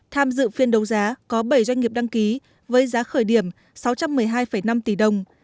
tham dự phiên đấu giá có bảy doanh nghiệp đăng ký với giá khởi điểm sáu trăm một mươi hai năm tỷ đồng